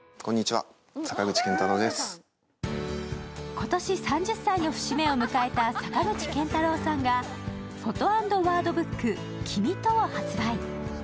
今年３０歳の節目を迎えた坂口健太郎さんが、フォト＆ワードブック「君と、」を発売。